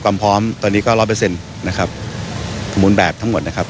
ความพร้อมตอนนี้ก็ร้อยเปอร์เซ็นต์นะครับมูลแบบทั้งหมดนะครับ